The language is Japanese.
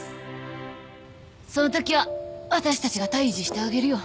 そのときは私たちが退治してあげるよ。